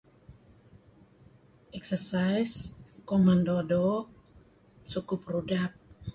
Exercise lang-lang doo' , sukup rudap.